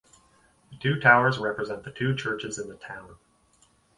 The two towers represent the two churches in the town.